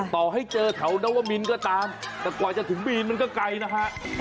ต่อให้เจอแถวนวมินก็ตามแต่กว่าจะถึงบีนมันก็ไกลนะฮะ